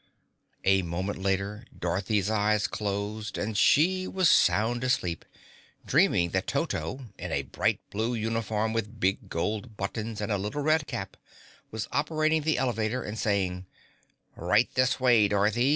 A moment later Dorothy's eyes closed and she was sound asleep, dreaming that Toto, in a bright blue uniform with big gold buttons and a little red cap, was operating the elevator and saying, "Right this way, Dorothy!